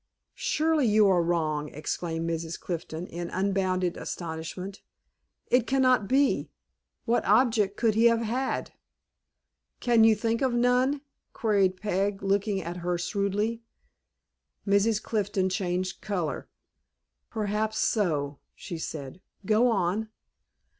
"Surely, you are wrong!" exclaimed Mrs. Clifton, in unbounded astonishment. "It cannot be. What object could he have had?" "Can you think of none?" queried Peg, looking at her shrewdly. Mrs. Clifton changed color. "Perhaps so," she said. "Go on."